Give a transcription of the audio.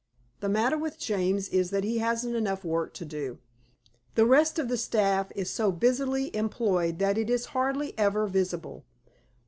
The matter with James is that he hasn't enough work to do. The rest of the staff is so busily employed that it is hardly ever visible.